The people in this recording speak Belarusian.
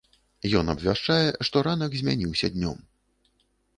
Ён абвяшчае, што ранак змяніўся днём.